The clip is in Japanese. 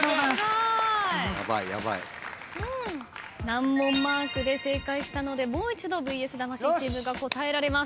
難問マークで正解したのでもう一度ＶＳ魂チームが答えられます。